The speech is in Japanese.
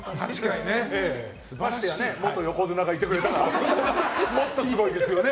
かつては元横綱がいてくれたらもっとすごいですよね。